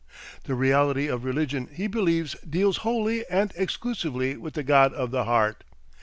The reality of religion he believes deals wholly and exclusively with the God of the Heart.